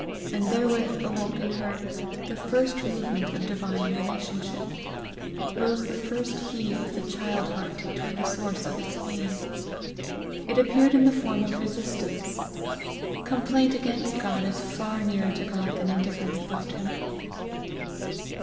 And therewith awoke in her the first movement of divine relationship rose the first heave of the child heart toward the source of its being. It appeared in the form of resistance. Complaint against God is far nearer to God than indifference about him.